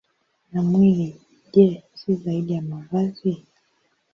Na mwili, je, si zaidi ya mavazi?